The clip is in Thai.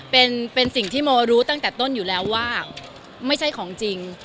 เป็นสิ่งที่โมรู้ตั้งแต่ต้นอยู่แล้วว่าไม่ใช่ของจริง